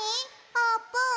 あーぷん。